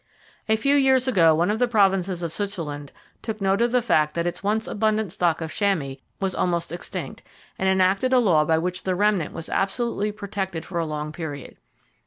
A few years ago, one of the provinces of Switzerland took note of the fact that its once abundant stock of chamois was almost extinct, and enacted a law by which the remnant was absolutely protected for a long period.